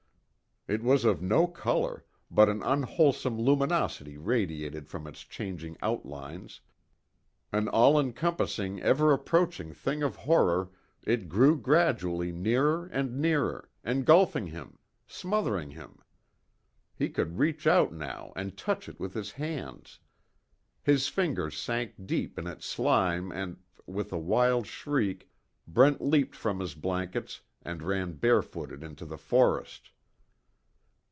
It was of no color, but an unwholesome luminosity radiated from its changing outlines an all encompassing ever approaching thing of horror, it drew gradually nearer and nearer, engulfing him smothering him. He could reach out now and touch it with his hands. His fingers sank deep in its slime and with a wild shriek, Brent leaped from his blankets, and ran barefooted into the forest.